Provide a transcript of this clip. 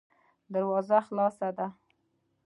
دروازه خلاصه ده.